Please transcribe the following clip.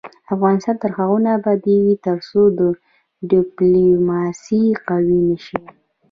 افغانستان تر هغو نه ابادیږي، ترڅو ډیپلوماسي قوي نشي.